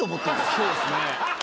そうですね。